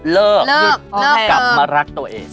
เลิกหยุดกลับมารักตัวเอง